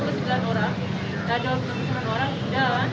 sos adalah penanganan